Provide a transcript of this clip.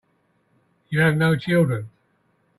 You have no children.